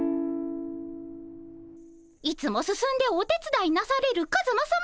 いつも進んでおてつだいなされるカズマさま